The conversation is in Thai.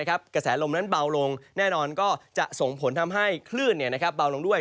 กระแสลมนั้นเบาลงแน่นอนก็จะส่งผลทำให้คลื่นเบาลงด้วย